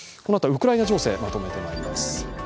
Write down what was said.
このあとはウクライナ情勢をまとめてまいります。